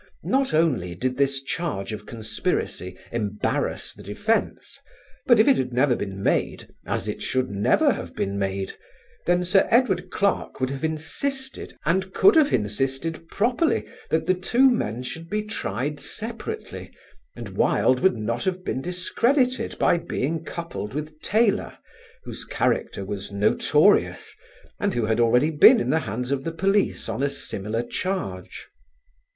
Not only did this charge of conspiracy embarrass the defence, but if it had never been made, as it should never have been made, then Sir Edward Clarke would have insisted and could have insisted properly that the two men should be tried separately, and Wilde would not have been discredited by being coupled with Taylor, whose character was notorious and who had already been in the hands of the police on a similar charge.